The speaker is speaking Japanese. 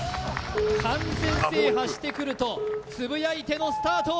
完全制覇してくるとつぶやいてのスタート